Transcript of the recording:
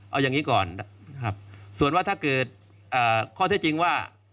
เอาอย่างนี้ก่อนส่วนว่าถ้าเกิดข้อเท็จจริงว่า